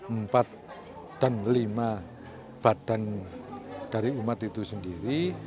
empat dan lima badan dari umat itu sendiri